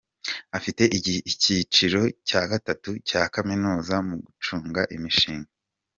Afite icyiciro cya gatatu cya Kaminuza, mu gucunga imishinga.